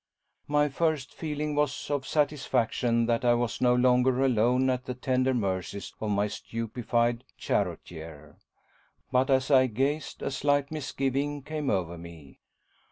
My first feeling was of satisfaction that I was no longer alone, at the tender mercies of my stupefied charioteer. But, as I gazed, a slight misgiving came over me.